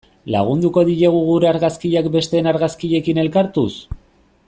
Lagunduko diegu gure argazkiak besteen argazkiekin elkartuz?